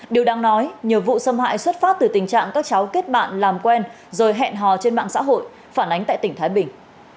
điều đáng nói nhiều vụ xâm hại xuất phát từ tình trạng các cháu kết bạn làm quen rồi hẹn hò trên mạng xã hội phản ánh tại tỉnh thái bình